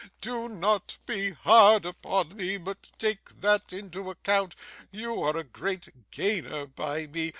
Do not be hard upon me, but take that into account. You are a great gainer by me.